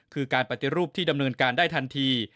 คือการปฏิรูปที่ดำเนินการได้ทันที